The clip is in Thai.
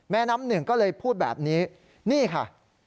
น้ำหนึ่งก็เลยพูดแบบนี้นี่ค่ะ